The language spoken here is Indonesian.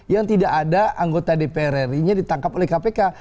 yang tidak ada anggota dpr ri nya ditangkap oleh kpk